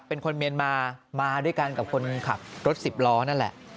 เป็นคนเมียนมามาด้วยกันกับคนขับรถสิบล้อนั่นแหละ